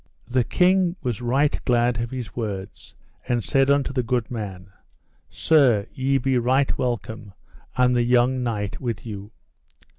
The king was right glad of his words, and said unto the good man: Sir, ye be right welcome, and the young knight with you.